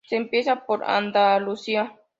Se empieza por Andalucía.